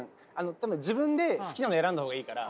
多分自分で好きなの選んだ方がいいから。